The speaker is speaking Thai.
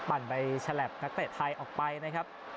ใบฉลับนักเตะไทยออกไปนะครับ